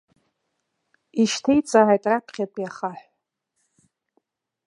Ишьҭеиҵааит раԥхьатәи ахаҳә!